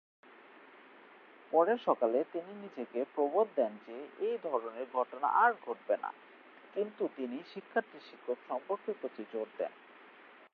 পরের সকালে তিনি নিজেকে প্রবোধ দেন যে এই ধরনের ঘটনা আর ঘটবে না, কিন্তু তিনি শিক্ষার্থী-শিক্ষক সম্পর্কের প্রতি জোর দেন।